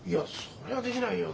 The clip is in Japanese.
それはできないよ。